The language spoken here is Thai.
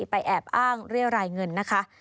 แอบอ้างเรียรายเงินนะคะ